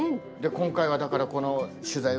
今回はだからこの取材を。